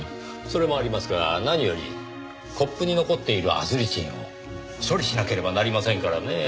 それもありますが何よりコップに残っているアズリチンを処理しなければなりませんからねぇ。